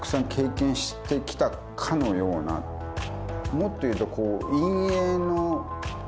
もっと言うと。